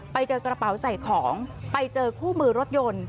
ไปเจอกระเป๋าใส่ของไปเจอคู่มือรถยนต์